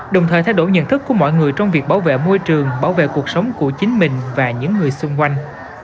đồng thời thay đổi nhận thức của mọi người trong việc bảo vệ môi trường bảo vệ cuộc sống của chính mình và những người xung quanh